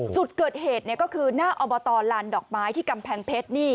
จุดเกิดเหตุก็คือหน้าอบตลานดอกไม้ที่กำแพงเพชร